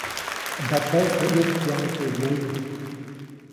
Ndataʼis nä ʼyukyaju teʼ wyaye.